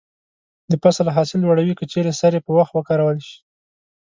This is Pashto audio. د فصل حاصل لوړوي که چیرې سرې په وخت وکارول شي.